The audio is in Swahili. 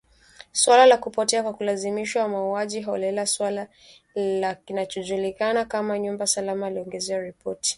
Suala la kupotea kwa kulazimishwa, mauaji holela, suala la kile kinachojulikana kama nyumba salama, aliongezea ripoti zichunguzwe na wenye hatia wawajibishwe.